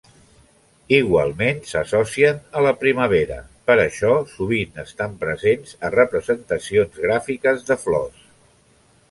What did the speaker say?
Igualment s'associen a la primavera, per això sovint estan presents a representacions gràfiques de flors.